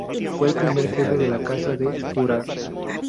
Fue el primer Jefe de la Casa de Urach.